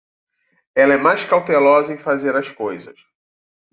Ela é mais cautelosa em fazer as coisas.